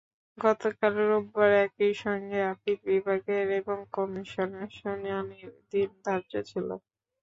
গতকাল রোববার একই সঙ্গে আপিল বিভাগে এবং কমিশনে শুনানির দিন ধার্য ছিল।